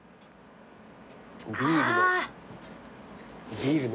ビールの。